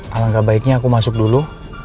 alangkah baiknya aku masuk dulu